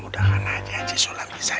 mudah mudahan haji sulam bisa